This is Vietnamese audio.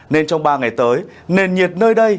nên trong ba ngày tới nền nhiệt nơi đây